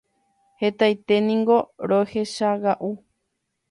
hetaiténiko rohechaga'u